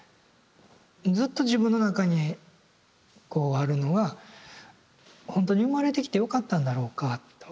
ずっと自分の中にこうあるのが「ほんとに生まれてきてよかったんだろうか」と。